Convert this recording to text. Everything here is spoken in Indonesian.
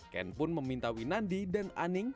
ken pun meminta winandi dan aning